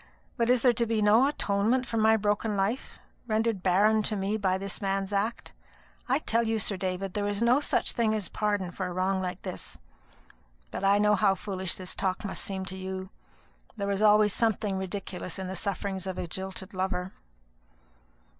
"But is there to be no atonement for my broken life, rendered barren to me by this man's act? I tell you, Sir David, there is no such thing as pardon for a wrong like this. But I know how foolish this talk must seem to you: there is always something ridiculous in the sufferings of a jilted lover."